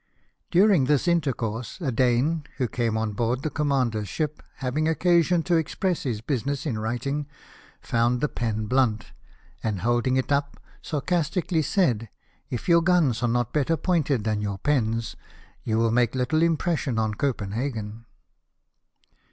During this intercourse a Dane, who came on board the commander's ship, having occasion to express his business in writing, found the pen blunt ; and, holding it up, sarcastically said, " If your guns are not better pointed than your pens, you will make little impression on Copenhagen!"